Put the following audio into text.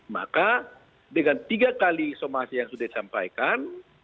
maka dengan tiga kali somasi yang sudah disampaikan